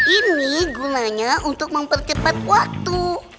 ini gunanya untuk mempercepat waktu